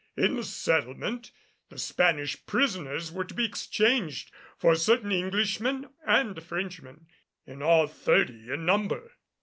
In the settlement the Spanish prisoners were to be exchanged for certain Englishmen and Frenchmen, in all thirty in number.